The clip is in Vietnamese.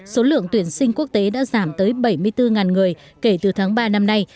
số lượng tuyển sinh quốc tế đã giảm tới bảy mươi bốn người kể từ tháng ba năm nay